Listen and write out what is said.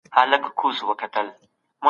ما خپل کتاب لیکلی و.